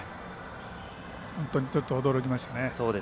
本当に、ちょっと驚きましたね。